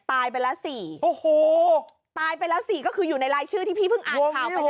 ตายไปแล้วสี่โอ้โหตายไปแล้วสี่ก็คืออยู่ในรายชื่อที่พี่เพิ่งอ่านข่าวไป